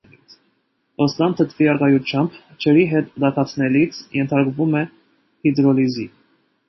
Օսլան թթվի առկայությամբ ջրի հետ տաքացնելիս ենթարկվում է հիդրոլիզի։